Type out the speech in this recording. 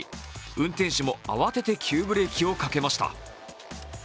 運転手も慌てて急ブレーキをかけました。